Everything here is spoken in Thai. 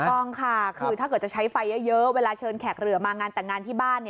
ต้องค่ะคือถ้าเกิดจะใช้ไฟเยอะเวลาเชิญแขกเหลือมางานแต่งงานที่บ้าน